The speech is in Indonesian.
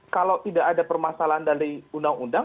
kalau tidak ada permasalahan dari undang undang